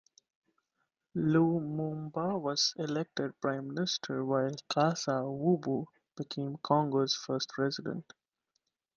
Lumumba was elected Prime Minister, while Kasa-Vubu became Congo's first President.